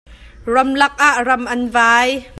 Ramlak ah ram an vai.